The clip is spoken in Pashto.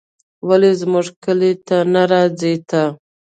ولې زموږ کلي ته نه راځې ته